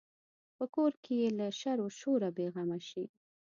په کور کې یې له شر و شوره بې غمه شي.